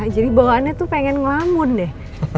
jadi bawaannya tuh pengen ngelamun deh